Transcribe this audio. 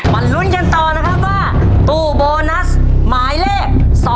มันรุ้นกันต่อว่าตู้โบนัสหมายเลข๒